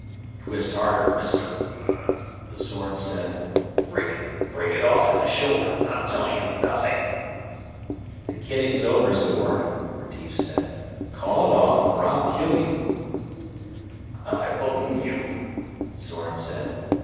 "Twist harder, Mister," Zorn said. "Break it off at the shoulder. I'm telling him nothing!" "The kidding's over, Zorn," Retief said. "Call it off or I'll kill you." "I believe you," Zorn said.